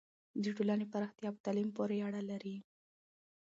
د ټولنې پراختیا په تعلیم پورې اړه لري.